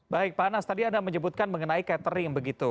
baik pak anas tadi anda menyebutkan mengenai catering begitu